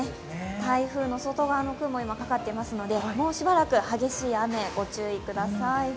台風の外側の雲が今かかっていますのでもうしばらく激しい雨、御注意ください。